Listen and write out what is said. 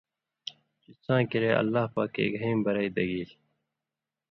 چےۡ څاں کِریا اللہ پاکے گَھیں برئ دگیلیۡ۔